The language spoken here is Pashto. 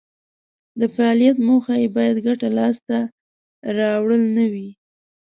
د فعالیت موخه یې باید ګټه لاس ته راوړل نه وي.